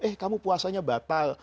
eh kamu puasanya batal